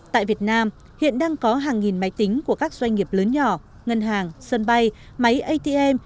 tại việt nam hiện đang có hàng nghìn máy tính của các doanh nghiệp lớn nhỏ ngân hàng sân bay máy atm